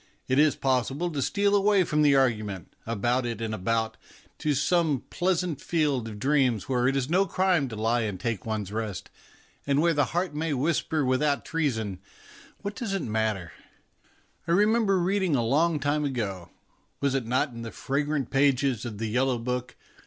It is possible to steal away from the argument, about it and about, to some pleasant field of dreams where it is no crime to lie and take one's rest, and where the heart may whisper without treason, Does it matter'? I remember reading a long time ago was it not in the fragrant pages of the " Yellow Book"?